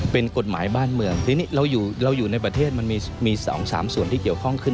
เป็นกฎหมายบ้านเมืองทีนี้เราอยู่ในประเทศมันมี๒๓ส่วนที่เกี่ยวข้องขึ้น